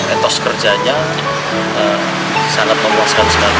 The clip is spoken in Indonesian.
etos kerjanya sangat memuaskan sekali